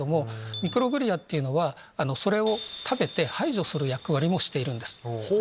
ミクログリアはそれを食べて排除する役割もしているんです。